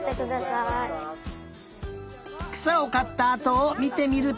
くさをかったあとをみてみると。